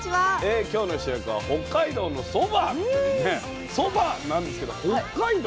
今日の主役は「北海道のそば」というねそばなんですけど北海道？